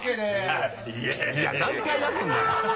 いや何回出すんだよ！